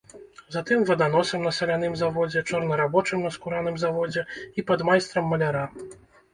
Затым ваданосам на саляным заводзе, чорнарабочым на скураным заводзе і падмайстрам маляра.